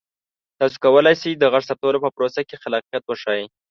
تاسو کولی شئ د غږ ثبتولو په پروسه کې خلاقیت وښایئ.